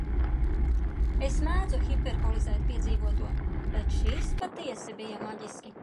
Es mēdzu hiperbolizēt piedzīvoto, bet šis patiesi bija maģiski.